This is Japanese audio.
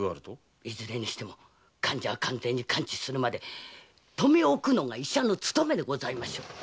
いずれにしても患者が完全に完治するまで留め置くのが医者の務めでしょう！